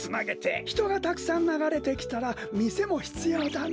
ひとがたくさんながれてきたらみせもひつようだな。